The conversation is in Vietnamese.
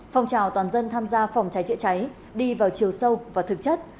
phòng trào toàn dân tham gia phòng cháy trịa cháy đi vào chiều sâu và thực chất